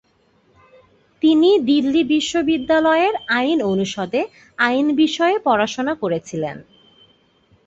তিনি দিল্লি বিশ্ববিদ্যালয়ের আইন অনুষদে আইন বিষয়ে পড়াশোনা করেছিলেন।